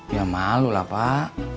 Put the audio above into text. ya malu lah pak